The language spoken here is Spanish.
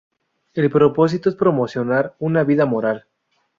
El propósito es promocionar una vida moral.